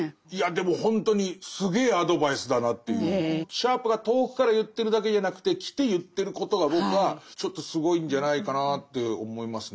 シャープが遠くから言ってるだけじゃなくて来て言ってることが僕はちょっとすごいんじゃないかなって思いますね。